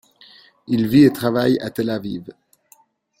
Il vit et travaille à Tel Aviv.